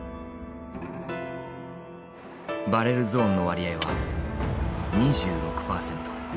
バレルゾーンの割合は２６％。